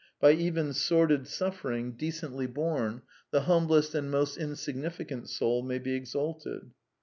By even sordid suffering, decently borne, the humblest and most insignificant soul may be exalted.